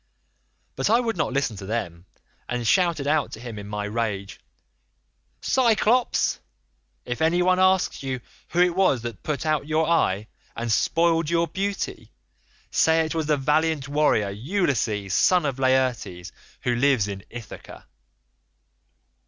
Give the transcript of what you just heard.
"But I would not listen to them, and shouted out to him in my rage, 'Cyclops, if any one asks you who it was that put your eye out and spoiled your beauty, say it was the valiant warrior Ulysses, son of Laertes, who lives in Ithaca.